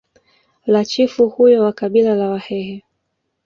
la chifu huyo wa kabila la wahehe